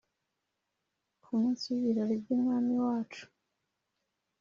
Ku munsi w ibirori by umwami wacu